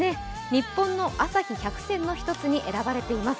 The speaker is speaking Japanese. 日本の朝日百選の一つに選ばれています。